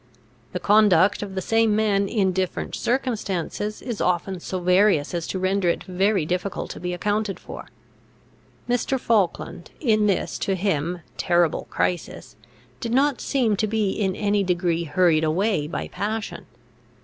The conduct of the same man in different circumstances, is often so various as to render it very difficult to be accounted for. Mr. Falkland, in this to him, terrible crisis, did not seem to be in any degree hurried away by passion.